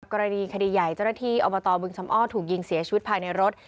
กรณีคดีใหญ่เจ้าหน้าที่อบตบึงชำอ้อถูกยิงเสียชีวิตภายในรถ